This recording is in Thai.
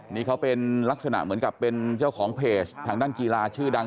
นี่เขาเป็นลักษณะเหมือนกับเป็นเจ้าของเพจทางด้านกีฬาชื่อดัง